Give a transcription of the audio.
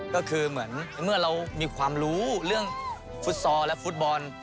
ก็คือเหมือนเมื่อเรามีความรู้เรื่องฟุตซอลและฟุตบอล